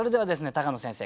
高野先生